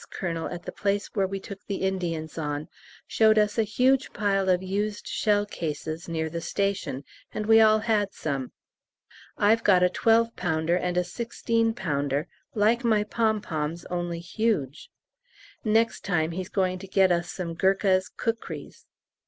colonel at the place where we took the Indians on showed us a huge pile of used shell cases near the station, and we all had some. I've got a twelve pounder and a sixteen pounder, like my pom poms, only huge. Next time he's going to get us some Gurkha's kukries.